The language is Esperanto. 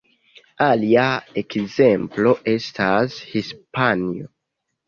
Alia ekzemplo estas Hispanio.